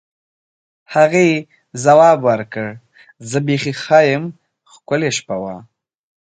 هغې ځواب ورکړ: زه بیخي ښه یم، ښکلې شپه وه.